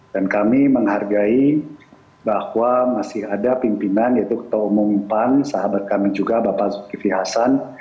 dan kami menghargai bahwa masih ada pimpinan yaitu ketua umum pan sahabat kami juga bapak zulkifri hasan